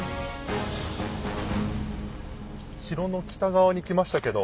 城の北側に来ましたけど。